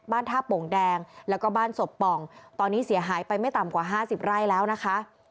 ท่าโป่งแดงแล้วก็บ้านศพป่องตอนนี้เสียหายไปไม่ต่ำกว่าห้าสิบไร่แล้วนะคะ